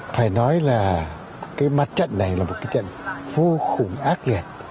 phải nói là cái mặt trận này là một cái trận vô cùng ác liệt